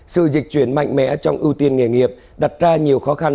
sự dịch chuyển mạnh mẽ trong ưu tiên nghề nghiệp đặt ra nhiều khó khăn